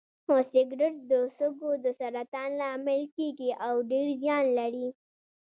هو سګرټ د سږو د سرطان لامل کیږي او ډیر زیان لري